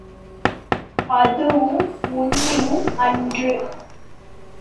அதுவும் உண்மையும் அன்று!